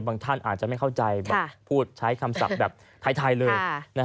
ท่านอาจจะไม่เข้าใจพูดใช้คำศัพท์แบบไทยเลย